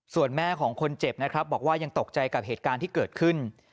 ส่วนแม่ของคนเจ็บนะครับบอกว่ายังตกใจกับเหตุการณ์ที่เกิดขึ้น